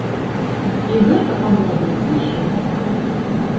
І гэта, па-мойму, усё.